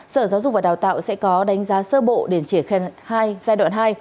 sở giáo dục và đào tạo sẽ có đánh giá sơ bộ để triển khai hai giai đoạn hai